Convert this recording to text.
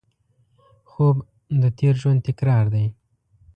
خوب د تېر ژوند تکرار دی